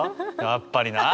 やっぱりな！